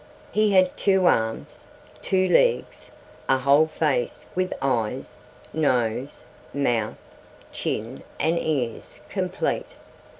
He had two arms, two legs, a whole face with eyes, nose, mouth, chin, and ears, complete.